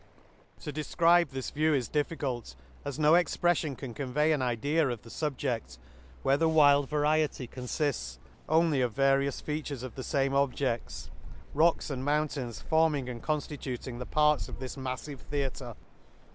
— To defcribe this view is difficult, ks po expreffion can convey an idea of the fubjedl, where the wild variety confifts only of various features of the fame ob jects ; rocks and mountains forming and conftituting the parts of this maffive theatre.